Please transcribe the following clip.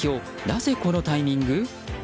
なぜこのタイミング？